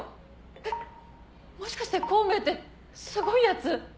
えっもしかして孔明ってすごいやつ？